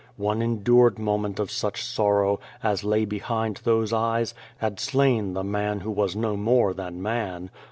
One endured moment of such sorrow, as lay behind those eyes, had slain the man who was no more than man.